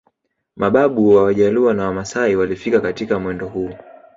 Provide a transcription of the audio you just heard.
Mababu wa Wajaluo na Wamasai walifika katika mwendo huu